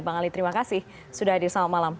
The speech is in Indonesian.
bang ali terima kasih sudah hadir selamat malam